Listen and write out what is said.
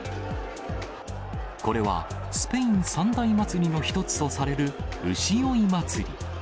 これはスペイン三大祭りの一つとされる牛追い祭り。